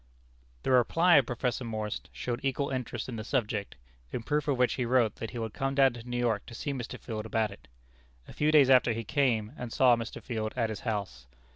The reply of Professor Morse showed equal interest in the subject, in proof of which he wrote that he would come down to New York to see Mr. Field about it. A few days after he came, and saw Mr. Field at his house.